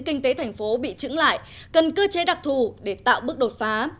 kinh tế thành phố bị trứng lại cần cơ chế đặc thù để tạo bước đột phá